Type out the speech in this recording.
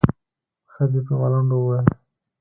ښځې په ملنډو وويل.